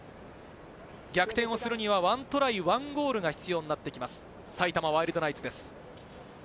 逆転をするには１トライ１ゴールが必要になってきます、埼玉ワイルドナイツです。